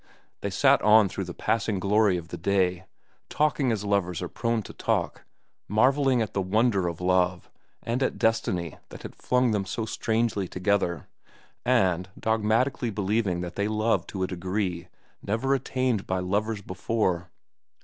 They sat on through the passing glory of the day, talking as lovers are prone to talk, marvelling at the wonder of love and at destiny that had flung them so strangely together, and dogmatically believing that they loved to a degree never attained by lovers before.